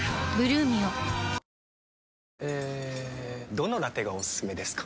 どのラテがおすすめですか？